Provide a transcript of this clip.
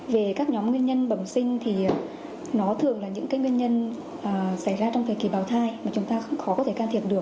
về các nhóm nguyên nhân bẩm sinh thì nó thường là những nguyên nhân xảy ra trong thời kỳ bào thai mà chúng ta khó có thể can thiệp được